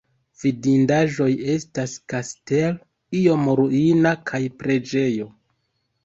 Vidindaĵoj estas kastelo iom ruina kaj preĝejo.